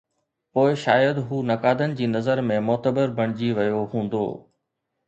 پوءِ شايد هو نقادن جي نظر ۾ معتبر بڻجي ويو هوندو.